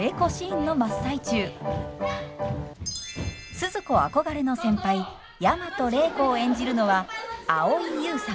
スズ子憧れの先輩大和礼子を演じるのは蒼井優さん。